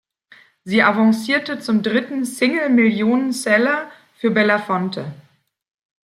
Sie avancierte zum dritten Single-Millionenseller für Belafonte.